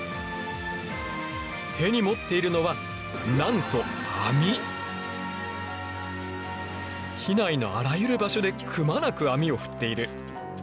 手に持っているのはなんと機内のあらゆる場所でくまなく網を振っている。